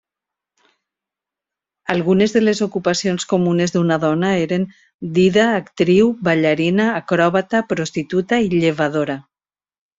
Algunes de les ocupacions comunes d'una dona eren dida, actriu, ballarina, acròbata, prostituta i llevadora.